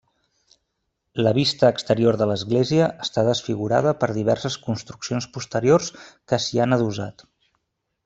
La vista exterior de l'església està desfigurada per diverses construccions posteriors que s'hi han adossat.